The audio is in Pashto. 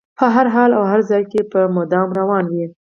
په هر حال او هر ځای کې به مدام روان وي.